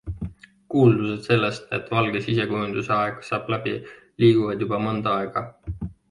Kuuldused sellest, et valge sisekujunduse aeg saab läbi, liiguvad juba mõnda aega.